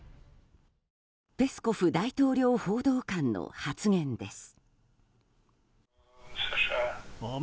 ペスコフ大統領報道官の発言です。